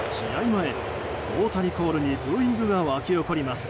前、大谷コールにブーイングが沸き起こります。